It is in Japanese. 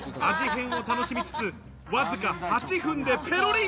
変を楽しみつつ、わずか８分でペロリ。